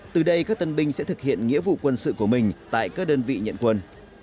từ đây các tân binh sẽ thực hiện nghĩa vụ quân sự của mình tại các đơn vị nhận quân